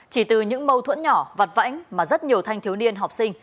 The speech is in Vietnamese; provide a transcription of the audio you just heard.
chỉ từ những mâu thuẫn nhỏ vặt vãnh mà rất nhiều thanh thiếu niên học sinh